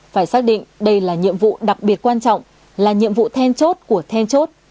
phải xác định đây là nhiệm vụ đặc biệt quan trọng là nhiệm vụ then chốt của then chốt